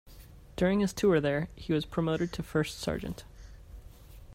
During his tour there, he was promoted to first sergeant.